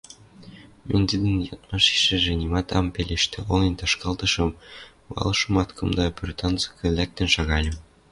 Мӹнь тӹдӹн ядмашешӹжӹ нимат ам пелештӹ, олен ташкалтышым валышымат, кымда пӧртанцыкы лӓктӹн шагальым.